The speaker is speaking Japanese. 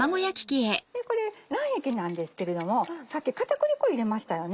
これ卵液なんですけれどもさっき片栗粉入れましたよね。